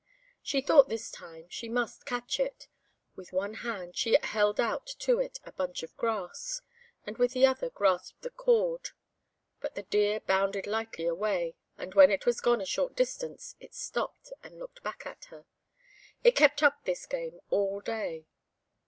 She thought this time she must catch it: with one hand she held out to it a bunch of grass, and with the other grasped the cord; but the deer bounded lightly away, and when it had gone a short distance, it stopped, and looked back at her. It kept up this game all day.